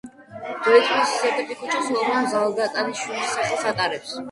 ძველი თბილისის ერთ-ერთი ქუჩა სოლომონ ზალდასტანიშვილის სახელს ატარებს.